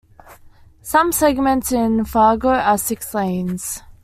Some segments in Fargo are six lanes.